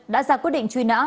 đã ra quyết định truy nã